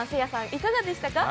いかがでしたか？